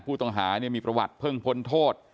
ผู้ต้องหามีประวัติเพิ่งพ้นโทษ